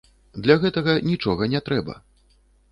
Для гэтага нічога не трэба.